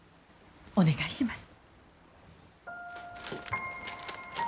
お願いします。